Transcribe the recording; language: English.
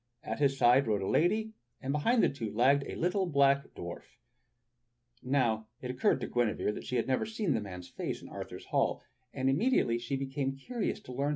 At his side rode a lady, and behind the two lagged a little black dw^arf. Now it occurred to Guinevere that she had never seen the man's face in Arthur's hall, and immediately she became curious to learn who he might be.